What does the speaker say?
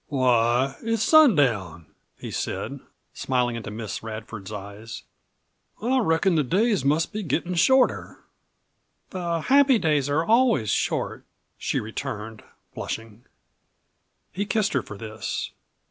"Why it's sundown!" he said, smiling into Miss Radford's eyes. "I reckon the days must be gettin' shorter." "The happy days are always short," she returned, blushing. He kissed her for this.